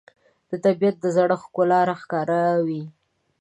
د طبیعت د زړښت ښکلا راښکاره وي